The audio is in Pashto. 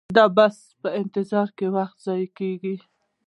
د بس په انتظار کې وخت ضایع کیږي